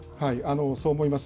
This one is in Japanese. そう思います。